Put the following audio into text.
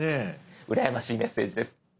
うらやましいメッセージです。